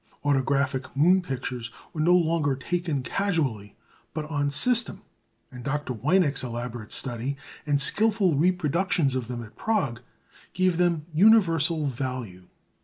Autographic moon pictures were no longer taken casually, but on system; and Dr. Weinek's elaborate study, and skilful reproductions of them at Prague, gave them universal value.